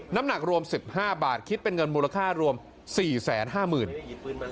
น้ำหนักรวม๑๕บาทคิดเป็นเงินมูลค่ารวม๔๕๐๐๐บาท